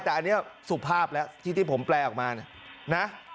แต่อันนี้สุภาพแล้วที่ผมแปลออกมาเนี่ยนะ